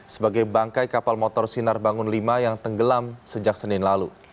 sebagai bangkai kapal motor sinar bangun v yang tenggelam sejak senin lalu